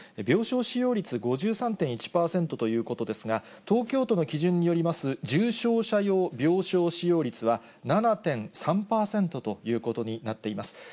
病床使用率５３．１％ということですが、東京都の基準によります、重症者用病床使用率は、７．３％ということになっています。